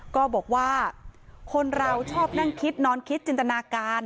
ก็บอกว่าคนเราชอบนั่งคิดนอนคิดจินตนาการ